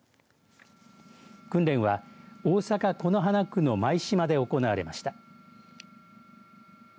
訓練は大阪、此花区の舞洲で行われました。